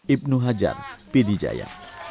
ibnu hajar pidijaya